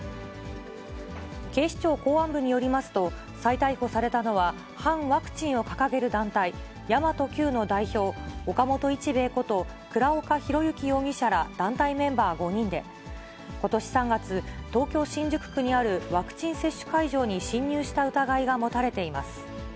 警視庁公安部によりますと、再逮捕されたのは反ワクチンを掲げる団体、神真都Ｑの代表、岡本一兵衛こと、倉岡宏行容疑者ら団体メンバー５人で、ことし３月、東京・新宿区にあるワクチン接種会場に侵入した疑いが持たれています。